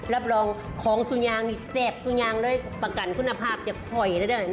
รับรองของสุยางนี่แซ่บสุยางเลยประกันคุณภาพจะห่อยแล้วด้วย